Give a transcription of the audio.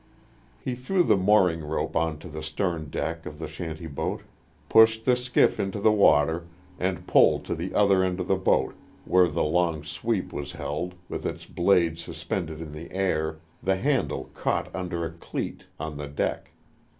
He threw the mooring rope on to the stern deck of the shanty boat, pushed the skiff into the water and poled to the other end of the boat where the long sweep was held with its blade suspended in the air, the handle caught under a cleat on the deck.